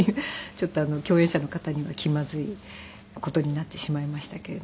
ちょっと共演者の方には気まずい事になってしまいましたけれども。